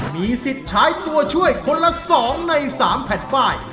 มีสิทธิ์ใช้ตัวช่วยคนละ๒ใน๓แผ่นป้าย